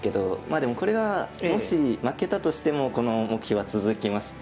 でもこれはもし負けたとしてもこの目標は続きまして。